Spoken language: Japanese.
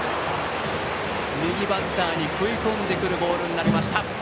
右バッターに食い込んでくるボールになりました。